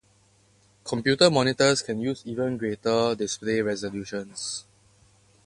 Computer monitors can use even greater display resolutions.